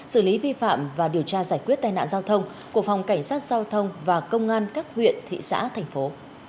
xử lý vi phạm và điều tra giải quyết tai nạn giao thông của phòng cảnh sát giao thông và công an các huyện thị xã thành phố